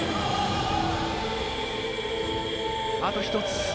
あと１つ。